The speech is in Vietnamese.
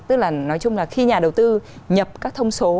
tức là nói chung là khi nhà đầu tư nhập các thông số